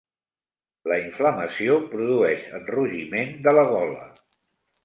La inflamació produeix enrogiment de la gola.